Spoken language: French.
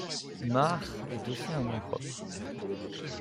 Maar est aussi un nom propre.